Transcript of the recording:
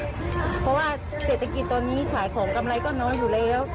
เพราะว่าเศรษฐกิจตอนนี้ขายของกำไรก็น้อยอยู่แล้ว